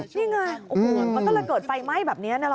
นี่ไงมันต้องเกิดไฟไหม้แบบนี้นะหรอ